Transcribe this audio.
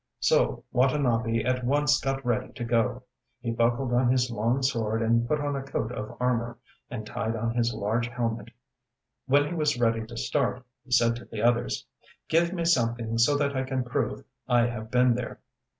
ŌĆØ So Watanabe at once got ready to goŌĆöhe buckled on his long sword and put on a coat of armor, and tied on his large helmet. When he was ready to start he said to the others: ŌĆ£Give me something so that I can prove I have been there!